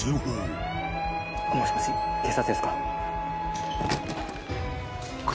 もしもし警察ですか？